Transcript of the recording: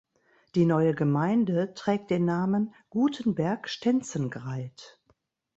Die neue Gemeinde trägt den Namen „Gutenberg-Stenzengreith“.